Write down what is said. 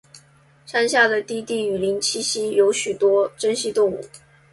山下的低地雨林栖息有许多珍稀动物。